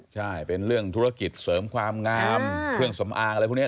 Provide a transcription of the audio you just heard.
ใช่เป็นเรื่องธุรกิจเสริมความงามเครื่องสำอางอะไรพวกนี้